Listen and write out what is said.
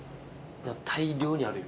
大量にあるよ。